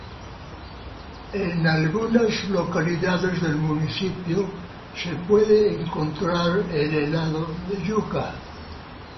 En algunas localidades del municipio de puede encontrar el helado de Yuca.